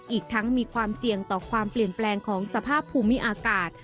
อีกทั้งมีความเสี่ยงต่อความเปลี่ยนแปลงของสภาพภูมิอากาศ